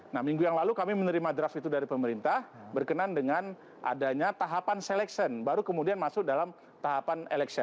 nah minggu yang lalu kami menerima draft itu dari pemerintah berkenan dengan adanya tahapan seleksi baru kemudian masuk dalam tahapan eleksi